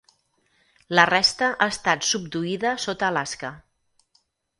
La resta ha estat subduïda sota Alaska.